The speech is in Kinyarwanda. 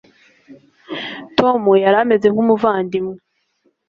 tom yari ameze nk'umuvandimwe